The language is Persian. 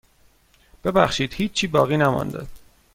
ببخشید هیچی باقی نمانده.